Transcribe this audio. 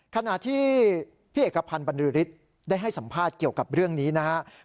ขณะที่พี่เอกพันธ์บรรลือฤทธิ์ได้ให้สัมภาษณ์เกี่ยวกับเรื่องนี้นะครับ